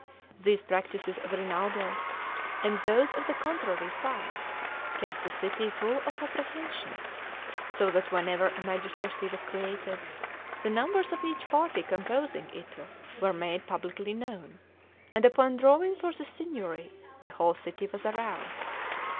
These practices of Rinaldo, and those of the contrary side, kept the city full of apprehension, so that whenever a magistracy was created, the numbers of each party composing it were made publicly known, and upon drawing for the Signory the whole city was aroused.